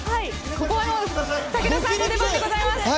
武田さんの出番でございます！